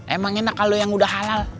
emang enak kalau yang udah halal